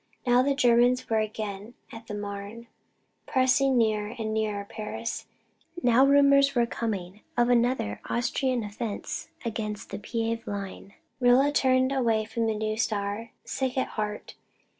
Now the Germans were again at the Marne, pressing nearer and nearer Paris; now rumours were coming of another Austrian offensive against the Piave line. Rilla turned away from the new star, sick at heart.